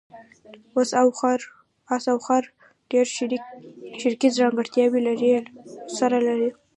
اس او خر ډېرې شریکې ځانګړتیاوې سره لري.